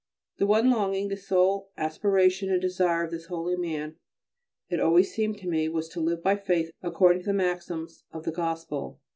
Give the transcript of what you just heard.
The one longing, the sole aspiration and desire of this holy man, it always seemed to me, was to live by faith and according to the maxims of the Gospel.